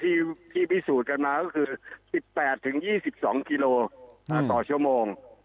ที่พิสูจน์กันมาก็คือ๑๘๒๒กิโลต่อชั่วโมง